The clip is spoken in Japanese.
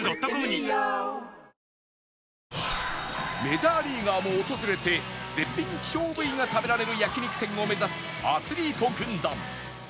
メジャーリーガーも訪れて絶品希少部位が食べられる焼肉店を目指すアスリート軍団